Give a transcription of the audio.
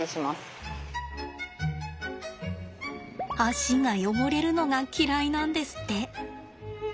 足が汚れるのが嫌いなんですって。